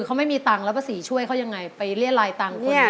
เขาไม่มีตังค์แล้วภาษีช่วยเขายังไงไปเรียดลายตังค์เนี่ย